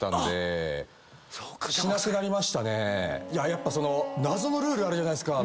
やっぱその謎のルールあるじゃないっすか。